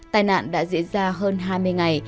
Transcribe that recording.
tài nạn đã diễn ra hơn hai mươi ngày